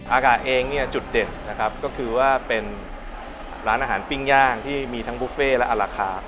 อากาศเองเนี่ยจุดเด่นนะครับก็คือว่าเป็นร้านอาหารปิ้งย่างที่มีทั้งบุฟเฟ่และอราคา